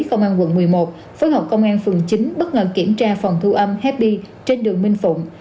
công an quận một mươi một phối hợp công an phường chín bất ngờ kiểm tra phòng thu âm hepy trên đường minh phụng